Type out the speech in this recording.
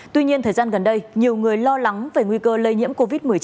tuy nhiên thời gian gần đây nhiều người lo lắng về nguy cơ lây nhiễm covid một mươi chín